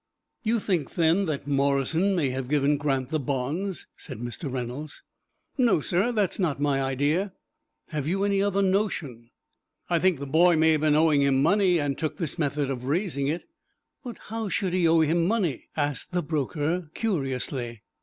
"You think, then, that Morrison may have given Grant the bonds?" said Mr. Reynolds. "No, sir; that is not my idea." "Have you any other notion?" "I think the boy may have been owing him money, and took this method of raising it." "But how should he owe him money?" asked the broker, curiously.